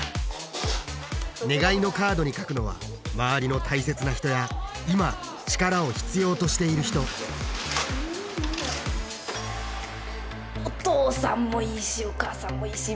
願いのカードに書くのは周りの大切な人や今力を必要としている人お父さんもいいしお母さんもいいしうん。